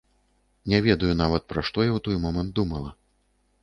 Не ведаю нават, пра што я ў той момант думала.